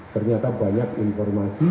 ternyata banyak informasi